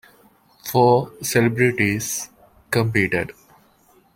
Four celebrities competed.